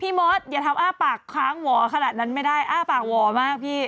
มอสอย่าทำอ้าปากค้างหวอขนาดนั้นไม่ได้อ้าปากหว่อมากพี่